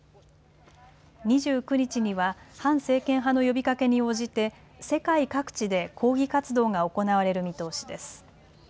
２９日には反政権派の呼びかけに応じて世界各地で抗議活動が行われる見通しです。